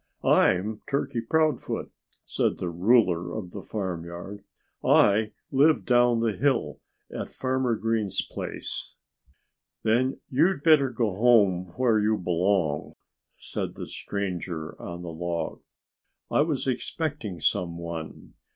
"I'm Turkey Proudfoot," said the ruler of the farmyard. "I live down the hill at Farmer Green's place." "Then you'd better go home where you belong," said the stranger on the log. "I was expecting some one.